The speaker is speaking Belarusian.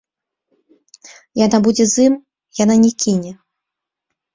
Яна будзе з ім, яна не кіне.